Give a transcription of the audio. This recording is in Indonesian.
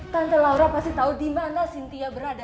tante laura pasti tahu di mana sintia berada